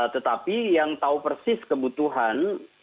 tetapi yang tahu persis kebutuhan